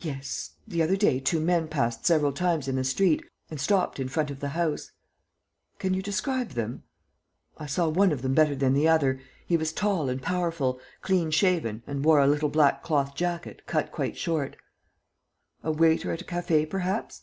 "Yes, the other day two men passed several times in the street and stopped in front of the house." "Can you describe them?" "I saw one of them better than the other. He was tall and powerful, clean shaven and wore a little black cloth jacket, cut quite short." "A waiter at a café, perhaps?"